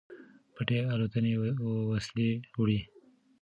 پټې الوتنې وسلې وړي.